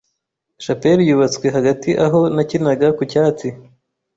Chapel yubatswe hagati Aho nakinaga ku cyatsi